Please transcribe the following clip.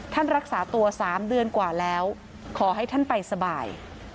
รักษาตัว๓เดือนกว่าแล้วขอให้ท่านไปสบาย